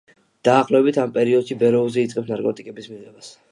დაახლოებით ამ პერიოდში ბეროუზი იწყებს ნარკოტიკების მიღებას.